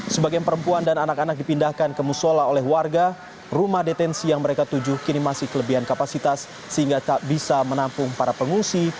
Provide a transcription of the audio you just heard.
sebagian perempuan dan anak anak dipindahkan ke musola oleh warga rumah detensi yang mereka tuju kini masih kelebihan kapasitas sehingga tak bisa menampung para pengungsi